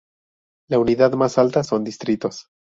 La unidad má salta son distritos.